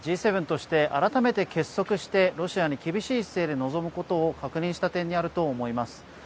Ｇ７として改めて結束してロシアに厳しい姿勢で臨むことを確認した点にあると思います。